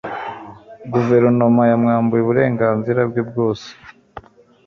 Guverinoma yamwambuye uburenganzira bwe bwose.